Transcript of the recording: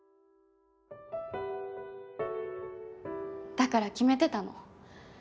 だから決めてたの。